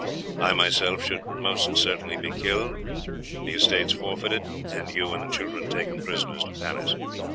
I myself should most likely be killed, the estates forfeited, and you and the children taken prisoners to Paris.